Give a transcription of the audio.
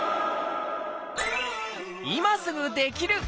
今すぐできる！